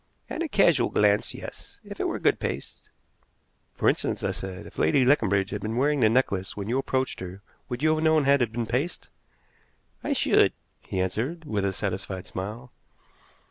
"At a casual glance yes, if it were good paste." "For instance," I said, "if Lady Leconbridge had been wearing the necklace when you approached her would you have known had it been paste?" "I should," he answered, with a satisfied smile.